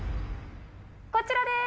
こちらです。